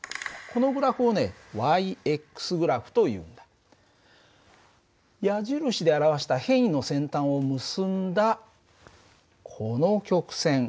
このグラフをね−グラフというん矢印で表した変位の先端を結んだこの曲線